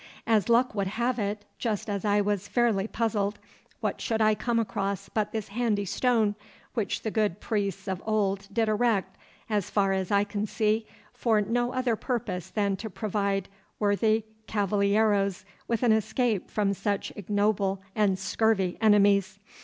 As luck would have it, just as I was fairly puzzled, what should I come across but this handy stone, which the good priests of old did erect, as far as I can see, for no other purpose than to provide worthy cavalieros with an escape from such ignoble and scurvy enemies.